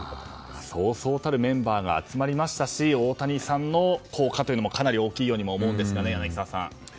そうそうたるメンバーが集まりましたし、大谷さんの効果というのもかなり大きいと思うんですが、柳澤さん。